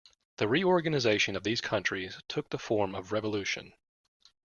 The reorganization of these countries took the form of revolution.